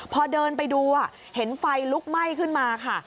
พอเดินไปดูเห็นไฟลุกไหม้ขึ้นมาค่ะ